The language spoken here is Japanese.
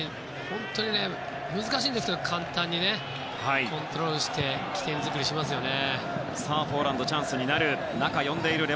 本当に難しいんですけど簡単にコントロールして起点作りをしますよね。